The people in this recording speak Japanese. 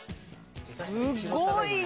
すごいな。